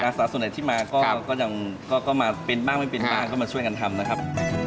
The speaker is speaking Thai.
สาส่วนใหญ่ที่มาก็ยังก็มาเป็นบ้างไม่เป็นบ้างก็มาช่วยกันทำนะครับ